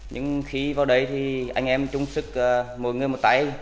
nhưng khi vào đấy thì anh em chung sức mỗi người một tay